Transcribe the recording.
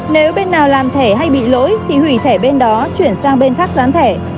nếu bên nào làm thẻ hay bị lỗi thì hủy thẻ bên đó chuyển sang bên khác gián thẻ